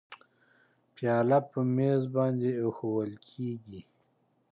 پیاله په میز باندې اېښوول کېږي.